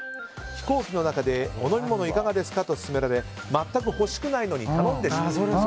飛行機の中でお飲み物いかがですか？と勧められ全く欲しくないのに頼んでしまう。